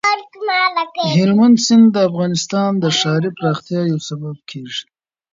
هلمند سیند د افغانستان د ښاري پراختیا یو سبب کېږي.